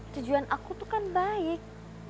tujuan aku tuh kan baik